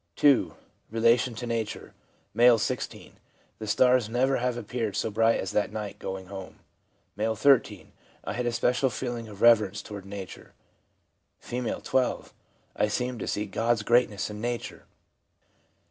(2.) Relation to nature. — M., 16. ' The stars never have appeared so bright as that night going home.' M., [3. ' I had a special feeling of reverence toward nature.' F., 12. ' I seemed to see God's great ness in nature.'